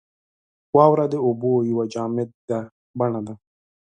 • واوره د اوبو یوه جامده بڼه ده.